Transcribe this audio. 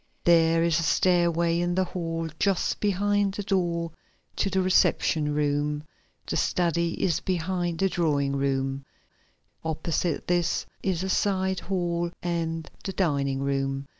There is a stairway in the hall just behind the door to the reception room. The study is behind the drawing room. Opposite this is a side hall and the dining room.